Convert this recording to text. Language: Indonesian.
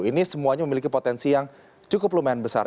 ini semuanya memiliki potensi yang cukup lumayan besar